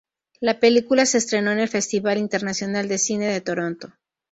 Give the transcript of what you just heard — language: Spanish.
La película se estrenó en el Festival Internacional de Cine de Toronto.